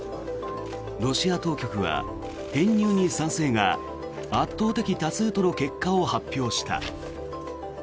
ロシア当局は、編入に賛成が圧倒的多数との結果を発表した。